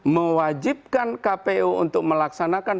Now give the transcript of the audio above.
mewajibkan kpu untuk melaksanakan